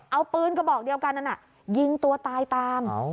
เอาปืนกระบอกเดียวกันนั้นยิงตัวตายตาม